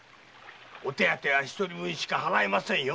お手当ては一人分しか払いませんよ！